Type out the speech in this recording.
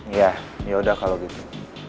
iya yaudah kalau gitu